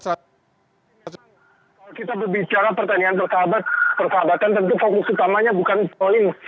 kalau kita berbicara pertandingan persahabat persahabatan tentu fokus utamanya bukan polling